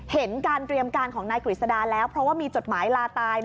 เห็นการเตรียมการของนายกฤษดาแล้วเพราะว่ามีจดหมายลาตาย